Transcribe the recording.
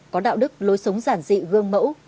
có đạo đức lối sống giản dị gương mẫu